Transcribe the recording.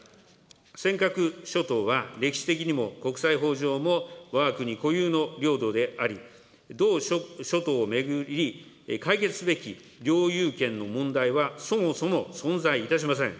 尖閣諸島は歴史的にも国際法上もわが国固有の領土であり、同諸島を巡り解決すべき領有権の問題はそもそも存在いたしません。